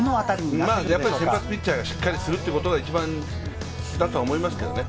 先発ピッチャーがしっかりするということが一番だと思いますね。